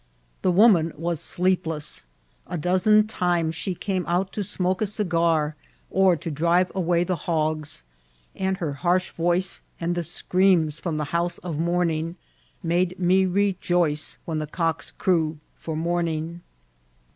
The woman was sleepless ; a dozen times she came out to smoke a cigar or to drive away the hogs ; and her harsh T<»ce, and the screams from the house of mourningi made me re joice when the cocks crew for morning.